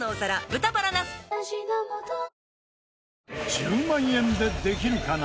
『１０万円でできるかな』